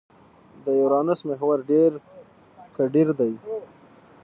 د یورانوس محور ډېر کډېر دی.